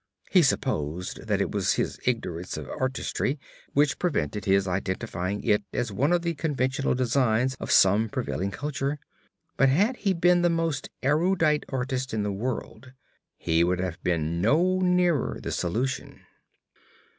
He supposed that it was his ignorance of artistry which prevented his identifying it as one of the conventional designs of some prevailing culture. But had he been the most erudite artist in the world, he would have been no nearer the solution.